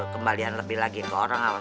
kembalian lebih lagi ke orang